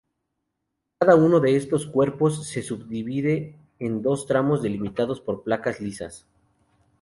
Cada uno de estos cuerpos se subdivide en dos tramos delimitados por placas lisas.